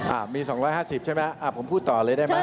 อ่ะมี๒๕๐ใช่ไหมอ่าผมพูดต่อเลยได้ไหม